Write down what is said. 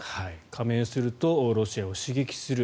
加盟するとロシアを刺激する。